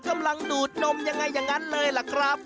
ดูดนมยังไงอย่างนั้นเลยล่ะครับ